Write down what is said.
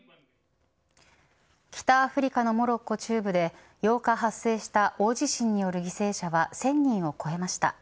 北アフリカのモロッコ中部で８日発生した大地震による犠牲者は１０００人を超えました。